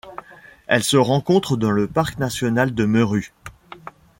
Elle se rencontre dans le parc national de Meru.